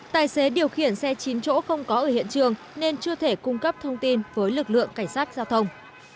tài xế điều khiển xe chín chỗ không có ở hiện trường nên chưa thể cung cấp thông tin với lực lượng cảnh sát giao thông